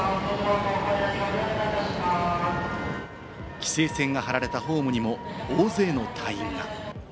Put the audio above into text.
規制線が張られたホームにも大勢の隊員が。